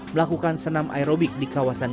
melakukan senam aerobik di kawasan